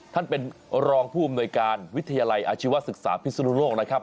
ท่านเป็นรองผู้อำนวยการวิทยาลัยอาชีวศึกษาพิศนุโลกนะครับ